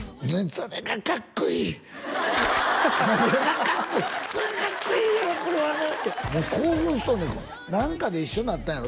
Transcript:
「それがかっこいいんやろこれはね」ってもう興奮しとんねん何かで一緒になったんやろ？